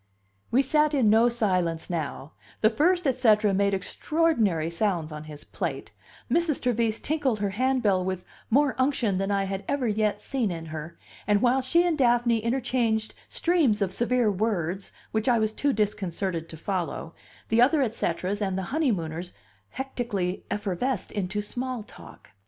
We sat in no silence now; the first et cetera made extraordinary sounds on his plate, Mrs. Trevise tinkled her handbell with more unction than I had ever yet seen in her; and while she and Daphne interchanged streams of severe words which I was too disconcerted to follow, the other et ceteras and the honeymooners hectically effervesced into small talk.